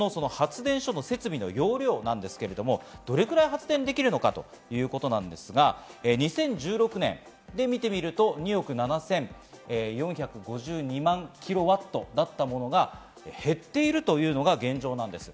今、現在の日本の発電所の設備の容量なんですけれど、どれくらい発電できるのかということですが、２０１６年、２億７４５２万キロワットだったものが、減っているというのが現状です。